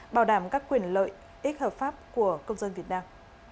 bảo đảm các quyền lợi ích hợp pháp của công dân việt nam